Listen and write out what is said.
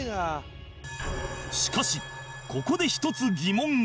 しかしここで１つ疑問が